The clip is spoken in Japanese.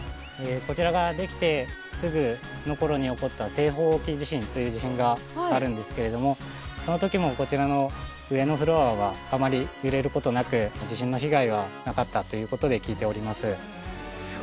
こちらができてすぐの頃に起こった西方沖地震という地震があるんですけれどもその時もこちらの上のフロアはあまり揺れることなく地震の被害はなかったということで聞いております。